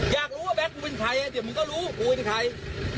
อยากรู้ว่าแก๊กกูเป็นใครเดี๋ยวมึงก็รู้กูเป็นใคร